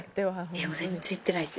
もう全然行ってないです。